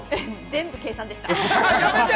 全部計算でした。